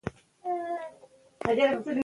موږ وکیل محمدزی وپوښتله.